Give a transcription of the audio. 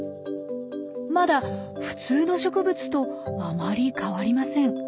まだ普通の植物とあまり変わりません。